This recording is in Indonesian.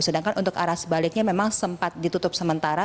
sedangkan untuk arah sebaliknya memang sempat ditutup sementara